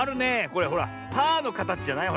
これほらパーのかたちじゃない？